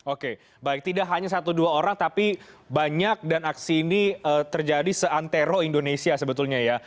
oke baik tidak hanya satu dua orang tapi banyak dan aksi ini terjadi seantero indonesia sebetulnya ya